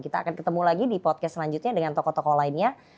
kita akan ketemu lagi di podcast selanjutnya dengan tokoh tokoh lainnya